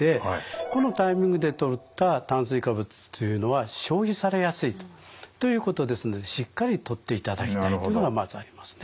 このタイミングでとった炭水化物というのは消費されやすいということですのでしっかりとっていただきたいというのがまずありますね。